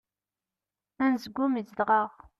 Anezgum izdeɣ-aɣ.